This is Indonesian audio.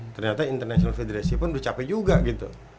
ternyata international federasi pun udah capek juga gitu